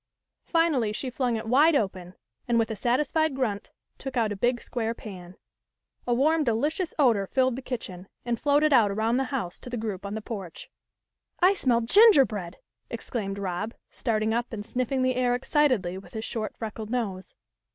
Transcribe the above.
Finally she flung it wide open, and, with a satisfied grunt, took out a big square pan. A warm delicious odour filled the kitchen, and floated out around the house to the group on the porch. 2O THE LITTLE COLONEL'S HOLIDAYS. " I smell gingerbread !" exclaimed Rob, starting up and sniffing the air excitedly with his short freckled nose.